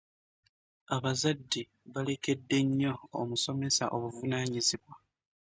Abazadde balekedde nnyo omusomesa obuvunaanyizibwa.